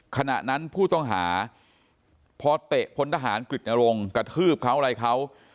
ขณะนั้นผู้ต้องหาพอเตะพลทหารกฤตนรงค์กระทืบเขาอะไรเขา